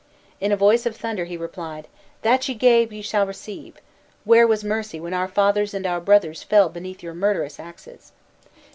In a voice of thunder he replied, "That ye gave, ye shall receive. Where was mercy when our fathers and our brothers fell beneath your murderous axes!"